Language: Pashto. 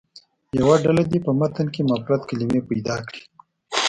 یوه ډله دې په متن کې مفرد کلمې پیدا کړي.